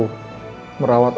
ibu lebih penting